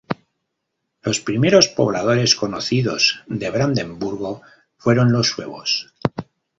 Los primeros pobladores conocidos de Brandeburgo fueron los suevos.